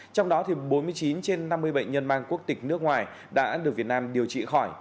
trong đó bốn mươi chín trên năm mươi bệnh nhân mang quốc tịch nước ngoài đã được việt nam điều trị khỏi